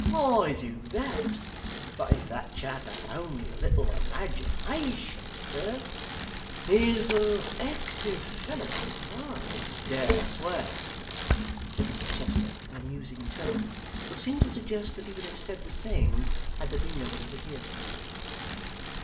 'I do that; but if that chap had only a little imagination, sir ' 'He's an active fellow now, I dare swear,' said Mr Chester, in a musing tone, which seemed to suggest that he would have said the same had there been nobody to hear him.